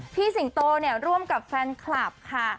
สิงโตเนี่ยร่วมกับแฟนคลับค่ะ